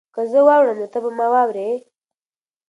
که زه واوړم نو ته به ما واورې؟